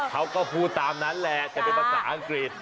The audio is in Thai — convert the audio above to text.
เขาก็พูดตามนั้นแหละแต่เป็นภาษาอังกฤษ